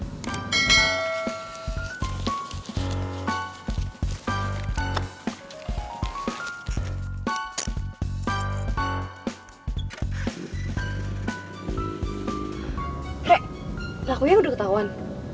re lakunya udah ketauan